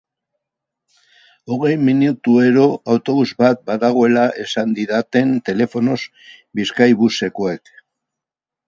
Hogei minutuero autobus bat badagoela esan didaten telefonoz Bizkaibusekoek.